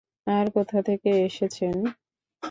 আর কোথা থেকে এসেছেন?